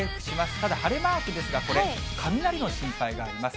ただ、晴れマークですが、これ、雷の心配があります。